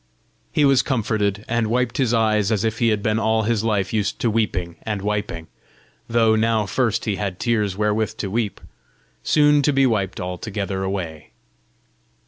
He was comforted, and wiped his eyes as if he had been all his life used to weeping and wiping, though now first he had tears wherewith to weep soon to be wiped altogether away.